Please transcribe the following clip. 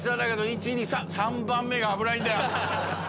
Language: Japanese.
１・２・３３番目が危ないんだよ。